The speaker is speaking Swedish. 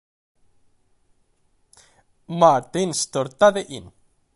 Martin störtade in.